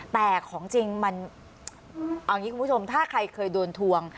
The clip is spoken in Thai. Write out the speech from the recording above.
แต่ของจริงมันเอาอย่างนี้คุณผู้ชมถ้าใครเคยโดนทวง